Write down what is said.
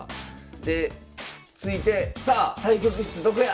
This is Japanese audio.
で着いてさあ対局室どこや？